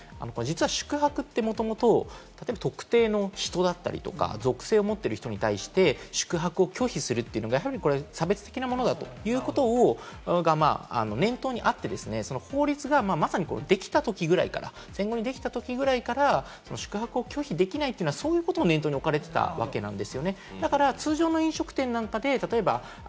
実は宿泊ってもともと特定の人だったり、属性を持っている人に対して、宿泊を拒否するというのが差別的なものだということが念頭にあって、法律がまさにできたときぐらいから、専門的にできたときぐらいから、宿泊を拒否できないというのは、そういうのを念頭に置かれていたわけですね。